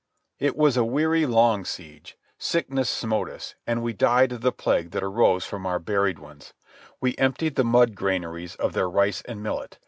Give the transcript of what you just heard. It was a weary long siege. Sickness smote us, and we died of the plague that arose from our buried ones. We emptied the mud granaries of their rice and millet.